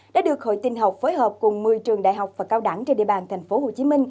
đã được hội tinh học phối hợp cùng một mươi trường đại học và cao đẳng trên địa bàn tp hcm